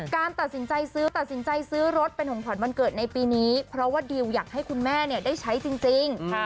การตัดสินใจซื้อตัดสินใจซื้อรถเป็นของขวัญวันเกิดในปีนี้เพราะว่าดิวอยากให้คุณแม่ได้ใช้จริง